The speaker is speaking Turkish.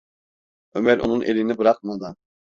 Ömer onun elini bırakmadan: